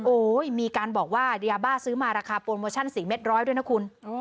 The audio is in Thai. โอ้โหมีการบอกว่ายาบ้าซื้อมาราคาโปรโมชั่น๔เม็ดร้อยด้วยนะคุณ